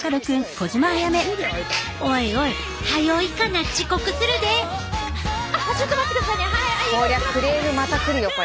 こりゃクレームまた来るよこれ。